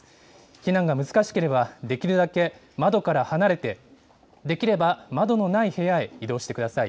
避難が難しければ、できるだけ窓から離れて、できれば窓のない部屋へ移動してください。